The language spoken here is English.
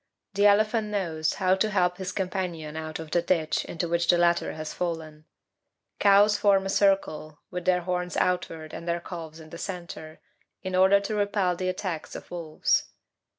The elephant knows how to help his companion out of the ditch into which the latter has fallen. Cows form a circle, with their horns outward and their calves in the centre, in order to repel the attacks of wolves.